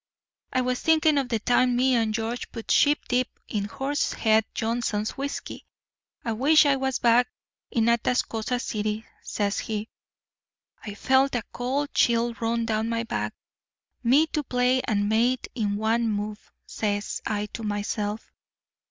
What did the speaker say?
'I was thinking of the time me and George put sheep dip in Horsehead Johnson's whisky. I wish I was back in Atascosa City,' says he. "I felt a cold chill run down my back. 'Me to play and mate in one move,' says I to myself.